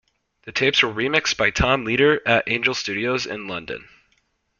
The tapes were re-mixed by Tom Leader at Angel Studios in London.